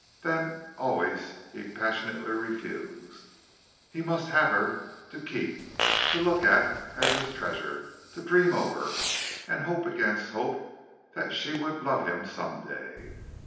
Then always he passionately refused. He must have her to keep, to look at as his treasure, to dream over, and hope against hope that she would love him some day.